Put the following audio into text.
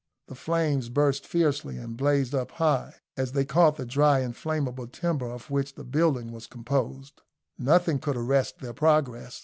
The flames burst fiercely, and blazed up high, as they caught the dry inflammable timber of which the building was composed. Nothing could arrest their progress.